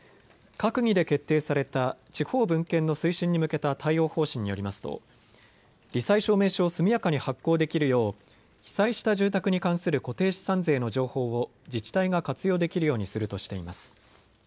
閣議で決定された地方分権の推進に向けた対応方針によりますとり災証明書を速やかに発行できるよう被災した住宅に関する固定資産税の情報を自治体が活用できるようにするとしています。